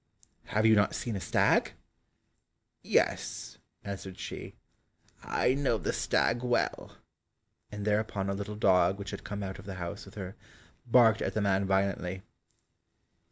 "Have you not seen a stag?" "Yes," answered she, "I know the stag well," and thereupon a little dog which had come out of the house with her, barked at the man violently.